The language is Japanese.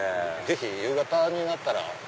ぜひ夕方になったら。